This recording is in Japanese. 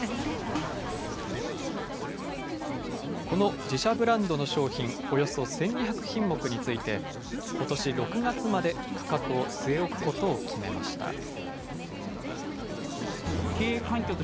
この自社ブランドの商品およそ１２００品目について、ことし６月まで価格を据え置くことを決めました。